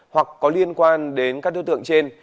hoặc có liên quan đến các đối tượng trên